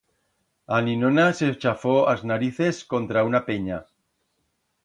A ninona se chafó as narices contra una penya.